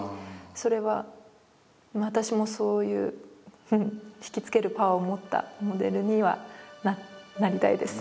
それは私もそういう引きつけるパワーを持ったモデルにはなりたいです。